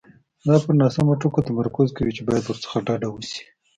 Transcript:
دا پر ناسمو ټکو تمرکز کوي چې باید ورڅخه ډډه وشي.